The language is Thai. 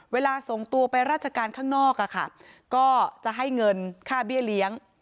เวลาส่งตัวไปราชการข้างนอกก็จะให้เงินค่าเบี้ยเลี้ยง